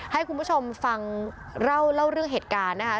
ให้คุณผู้ชมฟังเล่าเรื่องเหตุการณ์นะคะ